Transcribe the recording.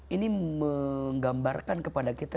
ini menggambarkan kepada kita